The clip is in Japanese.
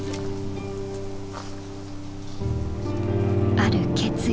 ある決意。